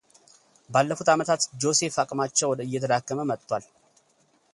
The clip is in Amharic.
ባለፉት ዓመታት ጆሴፋ አቅማቸው እየተዳከመ መጥቷል።